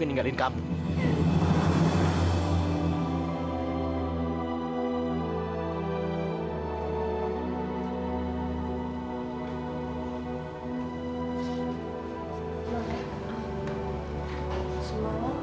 janganlah aku yang selalu menjengkelkanmu